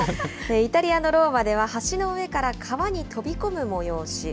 イタリアのローマでは、橋の上から川に飛び込む催し。